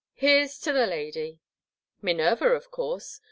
Here 's to the lady !"Minerva, of course.